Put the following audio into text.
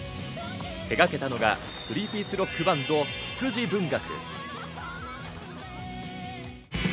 手がけたのがスリーピースロックバンド・羊文学。